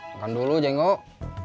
makan dulu jengok